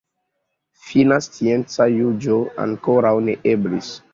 Fina scienca juĝo ankoraŭ ne eblis.